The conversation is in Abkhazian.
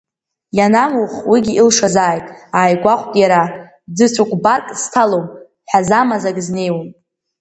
Ианамух уигьы илшазааит, ааигәахәт иара, ӡыцәыкәбарк зҭалом, ҳәазамазак знеиуам.